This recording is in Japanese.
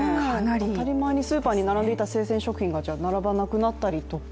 当たり前にスーパーに並んでいた生鮮食品が並ばなくなったりとか？